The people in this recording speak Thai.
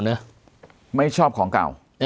เพราะนั้นมรุตยูเนี่ยจะไม่ชอบของเก่านะ